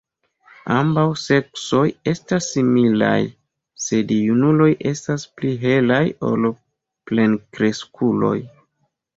Ambaŭ seksoj estas similaj, sed junuloj estas pli helaj ol plenkreskuloj.